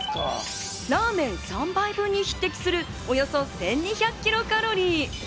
ラーメン３杯分に匹敵するおよそ１２００キロカロリー。